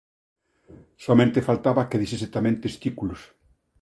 Soamente faltaba que dixese tamén testículos...